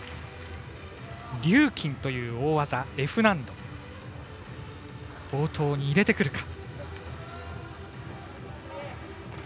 リューキンという大技、Ｆ難度を冒頭に入れてくるか。